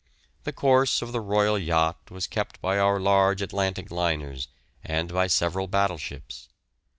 The course of the royal yacht was kept by our large Atlantic liners, and by several battleships.